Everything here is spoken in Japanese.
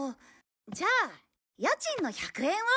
じゃあ家賃の１００円を。